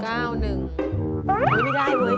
โอ้ยไม่ได้